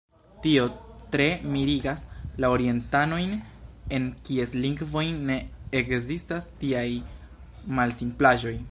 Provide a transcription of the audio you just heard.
Tio tre mirigas la orientanojn, en kies lingvoj ne ekzistas tiaj malsimplaĵoj.